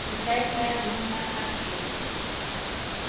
Qusayqa runa hampiq.